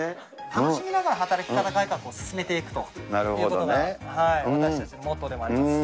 楽しみながら働き方改革を進めていくということが私たちのモットーでもあります。